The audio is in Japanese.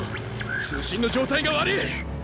通信の状態が悪ぃ！